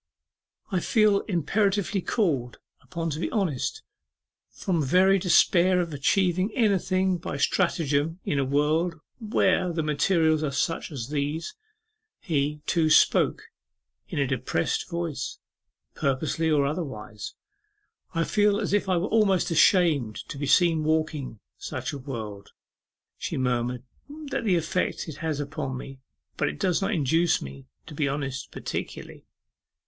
'I feel imperatively called upon to be honest, from very despair of achieving anything by stratagem in a world where the materials are such as these.' He, too, spoke in a depressed voice, purposely or otherwise. 'I feel as if I were almost ashamed to be seen walking such a world,' she murmured; 'that's the effect it has upon me; but it does not induce me to be honest particularly.